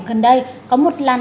gần đây có một làn